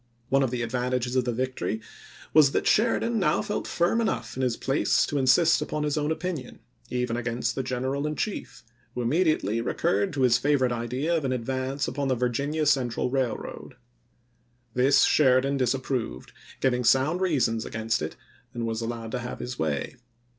One of the advan tages of the victory was that Sheridan now felt firm enough in his place to insist upon his own opinion, even against the General in Chief, who immediately recurred to his favorite idea of an ad vance upon the Virginia Central Railroad. This 328 ABEAHAM LINCOLN chap. xiv. Sheridan disapproved, giving sound reasons against it, and was allowed to have his way.